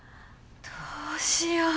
どうしよう。